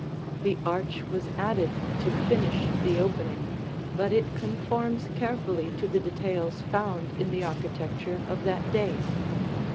The arch was added to finish the opening, but it conforms carefully to the details found in the architecture of that day.